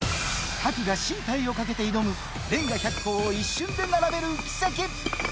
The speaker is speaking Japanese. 拓が進退をかけて挑む、レンガ１００個を一瞬で並べる奇跡。